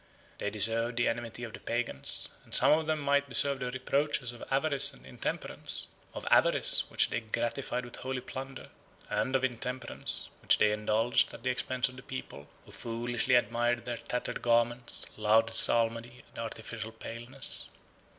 They deserved the enmity of the Pagans; and some of them might deserve the reproaches of avarice and intemperance; of avarice, which they gratified with holy plunder, and of intemperance, which they indulged at the expense of the people, who foolishly admired their tattered garments, loud psalmody, and artificial paleness.